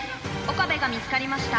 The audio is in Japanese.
岡部が見つかりました。